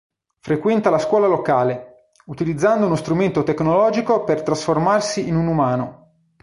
Frequenta la scuola locale, utilizzando uno strumento tecnologico per trasformarsi in un umano.